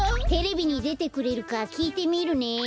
テレビにでてくれるかきいてみるね。